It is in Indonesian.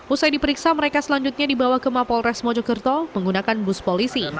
usai diperiksa mereka selanjutnya dibawa ke mapolres mojokerto menggunakan bus polisi